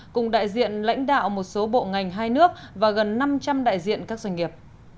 cùng đại diện lãnh đạo một số bộ ngành hai nước và gần năm trăm linh đại diện các doanh nghiệp